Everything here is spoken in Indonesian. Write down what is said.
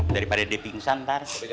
daripada dipingsan ntar